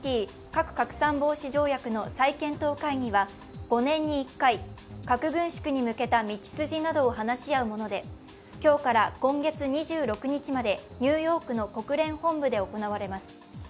ＮＰＴ＝核拡散防止条約の再検討会議は５年に１回、核軍縮に向けた道筋などを話し合うもので今日から今月２６日までニューヨークの国連本部で行われます。